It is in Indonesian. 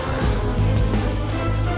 satu lawan satu